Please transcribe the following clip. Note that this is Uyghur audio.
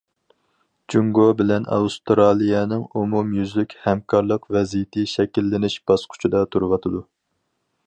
جۇڭگو بىلەن ئاۋسترالىيەنىڭ ئومۇميۈزلۈك ھەمكارلىق ۋەزىيىتى شەكىللىنىش باسقۇچىدا تۇرۇۋاتىدۇ.